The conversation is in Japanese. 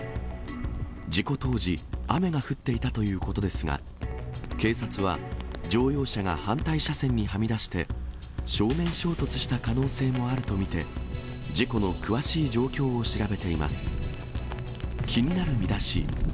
事故当時、雨が降っていたということですが、警察は乗用車が反対車線にはみ出して、正面衝突した可能性もあると見て、事故の詳しい状況を調べています。